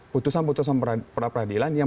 putusan putusan peradilan yang